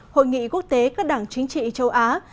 hội nghị quốc tế các đảng chính trị châu á